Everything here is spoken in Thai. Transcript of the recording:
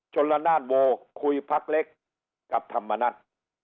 ชนละนานโวคุยพักเล็กกับธรรมนัฐ